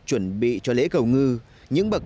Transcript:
chuẩn bị cho lễ cầu ngư những bậc